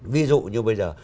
ví dụ như bây giờ